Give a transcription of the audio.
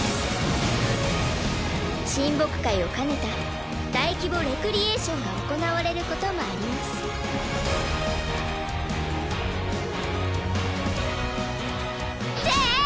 親睦会を兼ねた大規模レクリエーションが行われることもありますって！